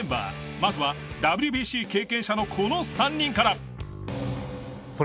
まずはＷＢＣ経験者のこの３人から。